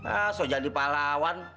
ah so jadi pahlawan